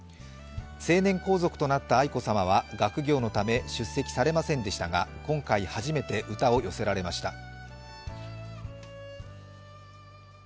成年皇族となった愛子さまは学業のため出席されませんでしたが、今回初めて歌を寄せられました。